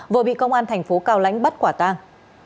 vừa bị công an thành phố cao lãnh bắt quả tang